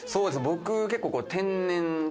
僕結構。